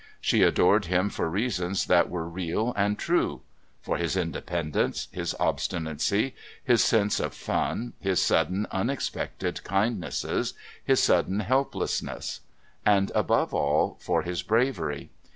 She adored him for reasons that were real and true; for his independence, his obstinacy, his sense of fun, his sudden, unexpected kindnesses, his sudden helplessness, and above all, for his bravery.